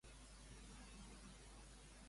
Trucar a la UdL per telèfon.